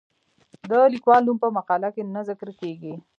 د لیکوال نوم په مقاله کې نه ذکر کیږي.